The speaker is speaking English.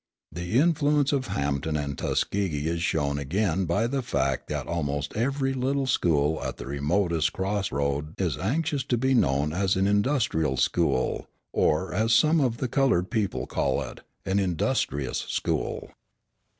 The influence of Hampton and Tuskegee is shown again by the fact that almost every little school at the remotest cross road is anxious to be known as an industrial school, or, as some of the coloured people call it, an "industrous" school.